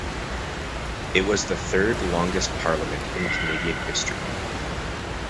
It was the third longest parliament in Canadian history.